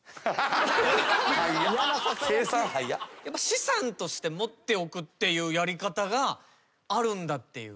資産として持っておくってやり方があるんだっていう。